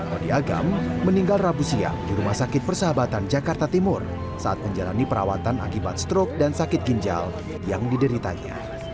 odi agam meninggal rabu siang di rumah sakit persahabatan jakarta timur saat menjalani perawatan akibat strok dan sakit ginjal yang dideritanya